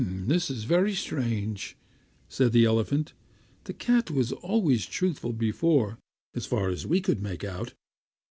"This is very strange," said the elephant; "the cat was always truthful before as far as we could make out.